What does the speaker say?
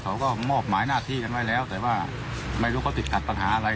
เขาก็มอบหมายหน้าที่กันไว้แล้วแต่ว่าไม่รู้เขาติดขัดปัญหาอะไร